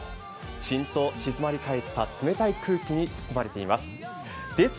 しんと静まり返った冷たい空気に包まれています。